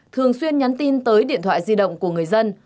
thường xuyên nhắn tin tới điện thoại di động của người dân